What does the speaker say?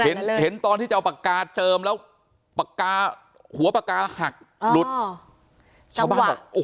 นั้นเลยเห็นตอนที่จะเอาปากกาเชิมแล้วปากกาหัวปากกาหักอ๋อชาวบ้านบอก